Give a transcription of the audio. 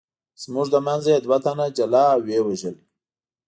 زموږ له منځه یې دوه تنه جلا او ویې وژل.